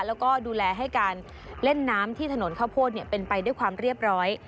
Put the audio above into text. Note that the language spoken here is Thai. แล้วก็ดูแลให้การเล่นน้ำที่ถนนข้าวโพดเป็นไปด้วยความเรียบร้อย